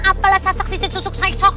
apalah sasak sisik susuk saik sok